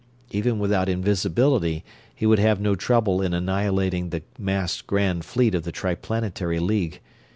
Even without invisibility he would have no trouble in annihilating the massed Grand Fleet of the Triplanetary League.